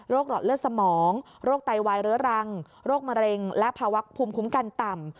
หลอดเลือดสมองโรคไตวายเรื้อรังโรคมะเร็งและภาวะภูมิคุ้มกันต่ำ